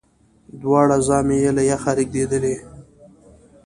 دواړي زامي یې له یخه رېږدېدلې